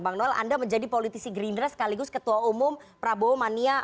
bang noel anda menjadi politisi gerindra sekaligus ketua umum prabowo mania